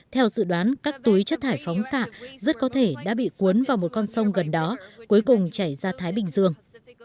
theo dự đoán các túi chất thải phóng xạ rất có thể đã bị cuốn vào một con sông gần đó cuối cùng chảy ra thái bình dương